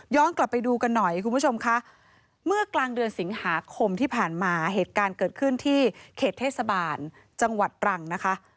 กลับไปดูกันหน่อยคุณผู้ชมค่ะเมื่อกลางเดือนสิงหาคมที่ผ่านมาเหตุการณ์เกิดขึ้นที่เขตเทศบาลจังหวัดตรังนะคะ